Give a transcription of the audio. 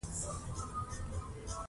ښانک یو لوښی دی چې انسانانو جوړ کړی دی